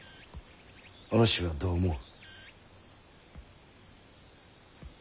お主はどう思う？